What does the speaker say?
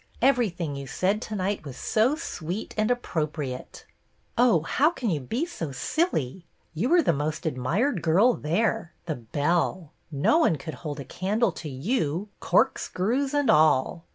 Everything you said to night was so sweet and appropriate." " Oh, how can you be so silly I You were the most admired girl there — the belle. No one could hold a candle to you, cork screws and all."